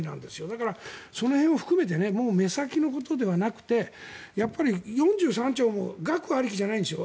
だからその辺を含めてもう目先のことではなくて４３兆も額ありきじゃないんですよ。